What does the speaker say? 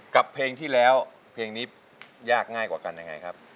กับเพลงที่แล้วเพลงนี้ยากง่ายกว่ากันยังไงครับ